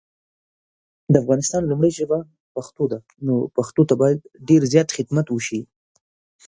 د افغانستان لومړی ژبه پښتو ده نو پښتو ته باید دیر زیات خدمات وشي